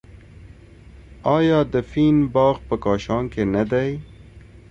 آیا د فین باغ په کاشان کې نه دی؟